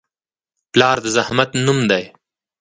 پلار د زحمت نوم دی.